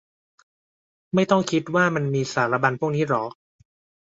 ไม่ต้องคิดว่ามันมีสารบัญพวกนี้หรอ